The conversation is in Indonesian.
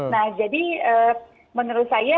nah jadi menurut saya